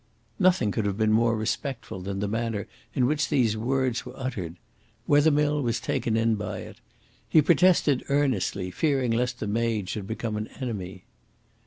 Nothing could have been more respectful than the manner in which these words were uttered. Wethermill was taken in by it. He protested earnestly, fearing lest the maid should become an enemy.